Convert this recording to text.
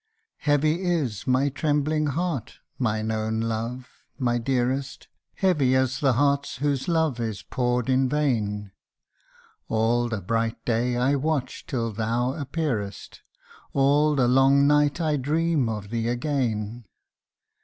HEAVY is my trembling heart, mine own love, my dearest, Heavy as the hearts whose love is poured in vain ; All the bright day I watch till thou appearest, All the long night I dream of thee again.